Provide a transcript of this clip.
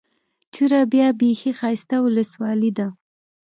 چوره بيا بېخي ښايسته اولسوالي ده.